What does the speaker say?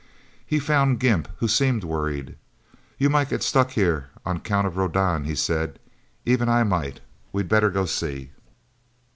He found Gimp, who seemed worried. "You might get stuck, here, on account of Rodan," he said. "Even I might. We'd better go see."